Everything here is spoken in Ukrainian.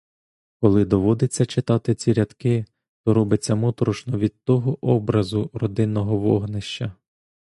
Коли доводиться читати ці рядки, то робиться моторошно від того образу родинного вогнища.